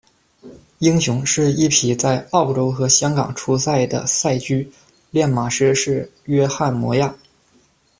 鹰雄，是一匹在澳洲和香港出赛的赛驹，练马师是约翰摩亚。